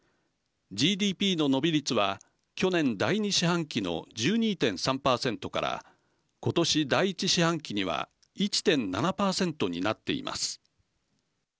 ＧＤＰの伸び率は去年第２四半期の１２．３％から今年第１四半期には１．７％になっています。